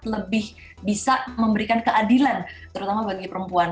lebih bisa memberikan keadilan terutama bagi perempuan